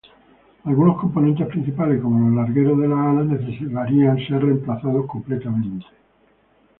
Algunos componentes principales, como los largueros de las alas, necesitarían ser reemplazados completamente.